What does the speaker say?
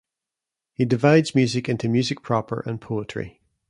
He divides music into music proper and poetry.